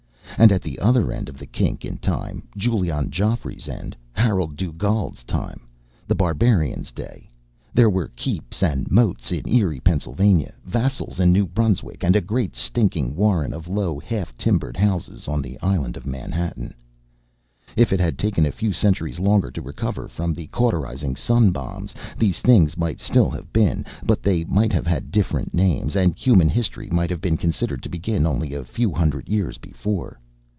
And at the other end of the kink in time Giulion Geoffrey's end, Harolde Dugald's time, The Barbarian's day there were keeps and moats in Erie, Pennsylvania, vassals in New Brunswick, and a great stinking warren of low, half timbered houses on the island of Manhattan. If it had taken a few centuries longer to recover from the cauterizing sun bombs, these things might still have been. But they might have had different names, and human history might have been considered to begin only a few hundred years before.